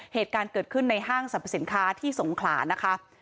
เหตุการณ์เกิดขึ้นในห้างสรรพสินค้าที่สงขลานะคะ